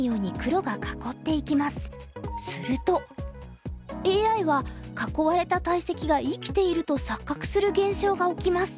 するとＡＩは囲われた大石が生きていると錯覚する現象が起きます。